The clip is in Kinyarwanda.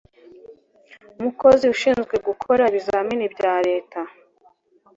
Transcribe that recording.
umukozi ushinzwe gukora ibizamini bya leta